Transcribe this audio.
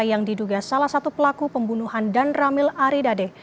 yang diduga salah satu pelaku pembunuhan dan ramil aridade